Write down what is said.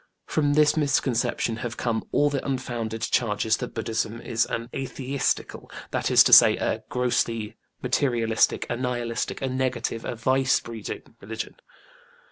From this misconception have come all the unfounded charges that BudĖĢdĖĢhism is an "atheistical," that is to say, a grossly materialistic, a nihilistic, a negative, a vice breeding religion.